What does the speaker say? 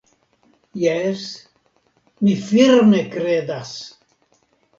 Jes, mi firme kredas.